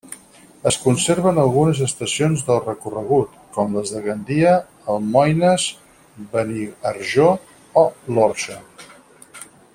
Es conserven algunes estacions del recorregut, com les de Gandia, Almoines, Beniarjó o l'Orxa.